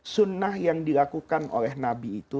sunnah yang dilakukan oleh nabi itu